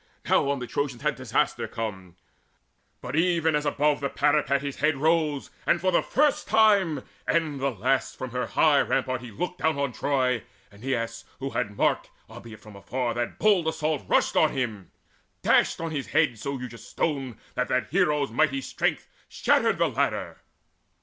Now on the Trojans had disaster come, But, even as above the parapet His head rose, and for the first time and the last From her high rampart he looked down on Troy, Aeneas, who had marked, albeit afar, That bold assault, rushed on him, dashed on his head So huge a stone that the hero's mighty strength Shattered the ladder.